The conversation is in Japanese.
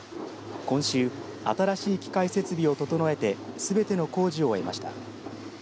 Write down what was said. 今週、新しい機械設備を整えてすべての工事を終えました。